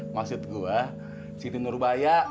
maksud gua siti nurubaya